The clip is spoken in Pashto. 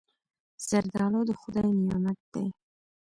زردالو د خدای نعمت دی.